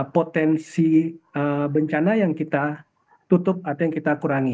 potensi bencana yang kita tutup atau yang kita kurangi